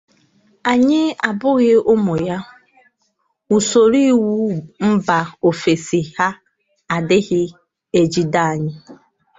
Anyị abụghị ụmụ ya; usoro iwu mba ofesi ya adighi-ejide anyi.